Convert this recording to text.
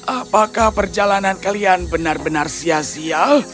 apakah perjalanan kalian benar benar sia sia